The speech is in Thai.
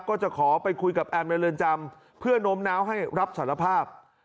ก็จะขอไปคุยกับแอมในเรือนจำเพื่อโน้มน้าวให้รับสารภาพ